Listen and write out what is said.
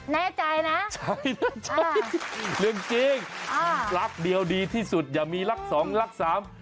แน่ใจนะใช่เรื่องจริงรักเดียวดีที่สุดอย่ามีรักสองรักสาม